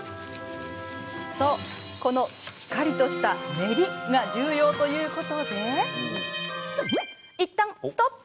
そうこのしっかりとした練りが重要ということでいったんストップ！